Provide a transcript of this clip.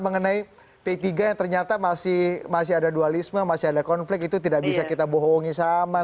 mengenai p tiga yang ternyata masih ada dualisme masih ada konflik itu tidak bisa kita bohongi sama